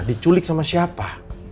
diculik sama siapa